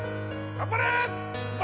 頑張れ！